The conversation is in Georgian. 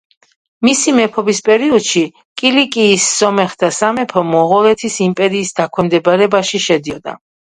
მისი მეფობის პერიოდში კილიკიის სომეხთა სამეფო მონღოლეთის იმპერიის დაქვემდებარებაში შედიოდა.